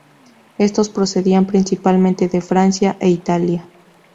Estos procedían principalmente de Francia e Italia.